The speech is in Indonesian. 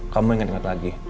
kamu inget gak lagi